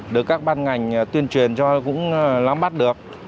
được các ban ngành tuyên truyền cho cũng lắm bắt được